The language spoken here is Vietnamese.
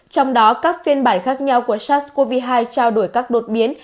trong đó các phiên bản khác nhau của sars cov hai trao đổi các đột biến